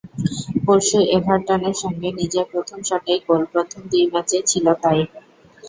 পরশু এভারটনের সঙ্গে নিজের প্রথম শটেই গোল, প্রথম দুই ম্যাচেও ছিল তাই।